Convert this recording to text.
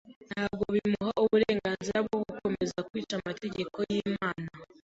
ntabwo bimuha uburenganzira bwo gukomeza kwica amategeko y’Imana;